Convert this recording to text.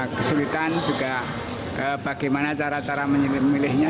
kesulitan juga bagaimana cara cara memilihnya